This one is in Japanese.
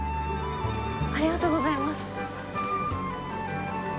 ありがとうございます。